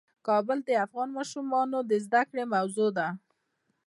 کابل د افغان ماشومانو د زده کړې موضوع ده.